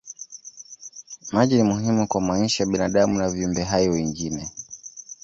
Maji ni muhimu kwa maisha ya binadamu na viumbe hai wengine.